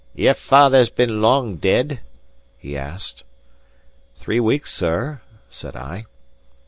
"Your father's been long dead?" he asked. "Three weeks, sir," said I.